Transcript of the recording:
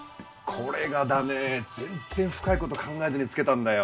これがだね全然深いこと考えずに付けたんだよ。